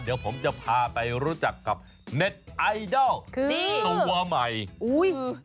เดี๋ยวผมจะพาไปรู้จักกับเน็ตไอดอลคือนี่ตัวใหม่อุ้ย